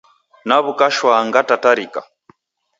Naw'uka shwaa ngatatarika.